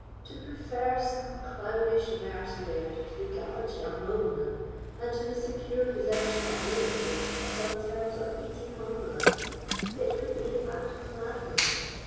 "To prefer some clownish Merse laird to the gallant young nobleman, and to the secure possession of Ravenswood upon terms of easy compromise—it would be the act of a madwoman!"